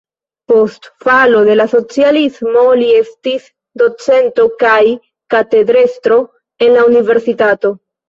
Post falo de la socialismo li estis docento kaj katedrestro en la universitato.